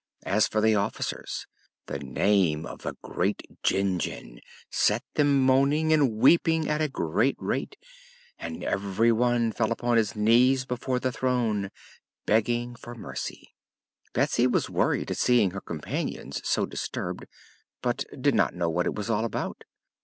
As for the officers, the name of the great Jinjin set them moaning and weeping at a great rate and every one fell upon his knees before the throne, begging for mercy. Betsy was worried at seeing her companions so disturbed, but did not know what it was all about.